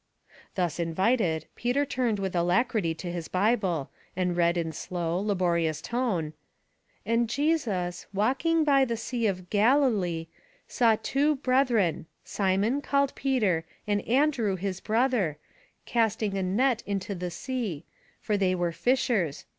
Thus invited, Peter turned with alacrity to his Bible, and read, in slow, laborious tone, —*'* And Jesus, walking by the sea of Galilee, saw two brethren, Simon called Peter, and An drew his brother, casting a net into the sea : for they were fishers.'